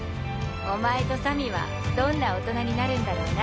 お前とさみはどんな大人になるんだろうな。